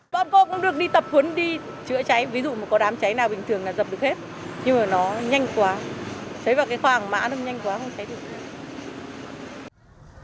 con cô cũng được đi tập huấn đi chữa cháy ví dụ mà có đám cháy nào bình thường là dập được hết nhưng mà nó nhanh quá xấy vào cái khoang mã nó nhanh quá không cháy được